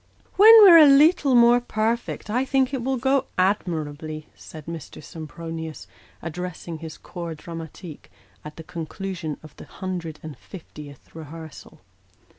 " When we're a leetle more perfect, I think it will go admirably," said Mr. Sempronius, addressing his corps dramatique, at the conclusion of the hundred and fiftieth rehearsal.